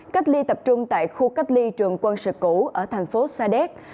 cách ly tập trung tại khu cách ly trường quân sự cũ ở thành phố sa đéc